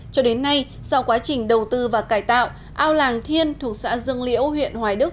cho đến nay sau quá trình đầu tư và cải tạo ao làng thiên thuộc xã dương liễu huyện hoài đức